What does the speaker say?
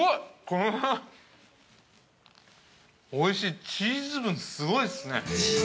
これは、おいしい、チーズ分、すごいっすね。